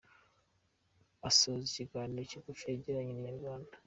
Asoza ikiganiro kigufi yagiranye na Inyarwanda.